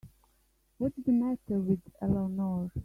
What's the matter with Eleanor?